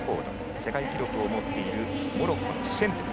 世界記録を持っているモロッコのシェントゥフ